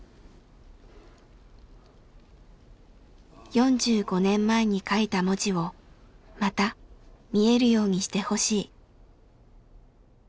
４５年前に書いた文字をまた見えるようにしてほしい。